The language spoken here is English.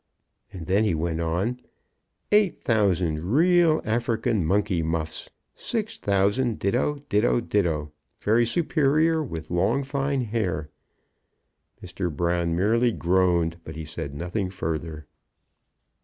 And then he went on, "Eight thousand real African monkey muffs; six thousand ditto, ditto, ditto, very superior, with long fine hair." Mr. Brown merely groaned, but he said nothing further.